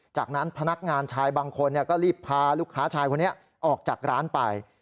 จากนั้นพนักงานชายบางคนก็รีบพาลูกค้าชายคนนี้ออกจากร้านไป